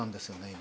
今。